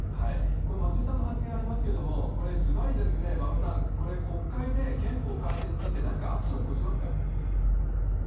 これ、松井さんの発言ありますけれども、これ、ずばり馬場さん、これ、国会で憲法改正について、何かアクション起こしますか？